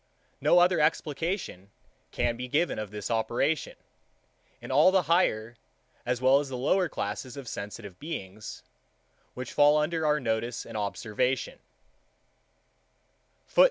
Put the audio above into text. No other explication can be given of this operation, in all the higher, as well as lower classes of sensitive beings, which fall under our notice and observation .